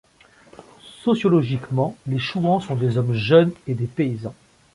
Sociologiquement les Chouans sont des hommes jeunes et des paysans.